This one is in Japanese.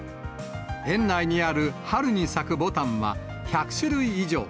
苑内にある春に咲くぼたんは１００種類以上。